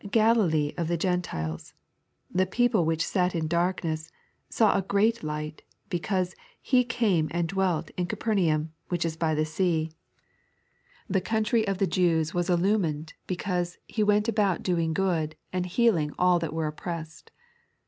Galilee of the Gentiles—" the people which sat in darkness" — saw a great Light, because "He came and dwelt in Capernaum, which is by the sea." The country of 3.n.iized by Google 42 Lighted to Shine. the Jews was Ulumiued, because "He went about doing good, and healiog all that were oppressed."